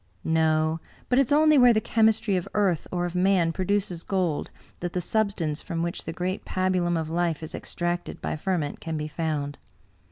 " No. But it is only where the chemistry of earth or of man produces gold, that the substance from which the great pabulum of life is extracted by ferment can be found.